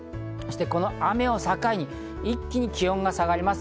この雨を境に一気に気温が下がります。